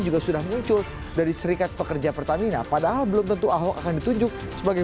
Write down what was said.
juga sudah muncul dari serikat pekerja pertamina padahal belum tentu ahok akan ditunjuk sebagai